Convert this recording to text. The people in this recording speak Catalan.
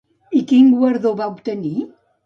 I quin guardó hi va obtenir?